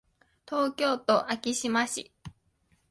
東京都昭島市